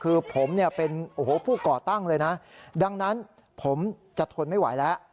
คือผมเนี่ยเป็นโอ้โหผู้ก่อตั้งเลยนะดังนั้นผมจะทนไม่ไหวแล้ว